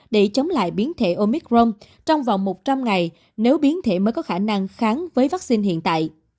để chống lại biến thể omicron trong vòng một trăm linh ngày nếu biến thể mới có khả năng kháng với vaccine hiện tại